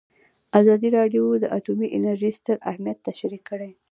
ازادي راډیو د اټومي انرژي ستر اهميت تشریح کړی.